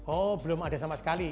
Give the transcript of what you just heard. oh belum ada sama sekali